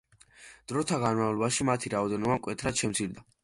დროთა განმავლობაში მათი რაოდენობა მკვეთრად შემცირდა.